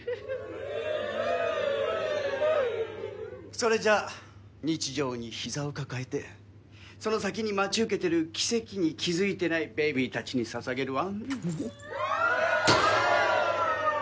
それじゃあ日常に膝を抱えてその先に待ち受けてる奇跡に気付いてないベビーたちに捧げるわ。